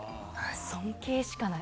尊敬しかない。